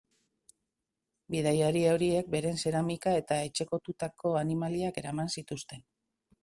Bidaiari horiek beren zeramika eta etxekotutako animaliak eraman zituzten.